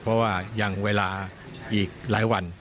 เพราะว่ายังเวลาอีกหลายวัน